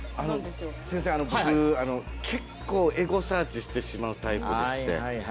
先生、僕、結構エゴサーチしてしまうタイプでして。